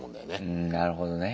うんなるほどね。